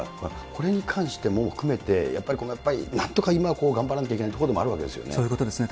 それに関しても含めて、やっぱりなんとか今頑張らんといかんというところでもあるわけでそういうことですよね。